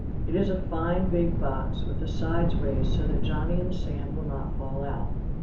It is a fine big box, with the sides raised so that Johnny and the sand will not fall out.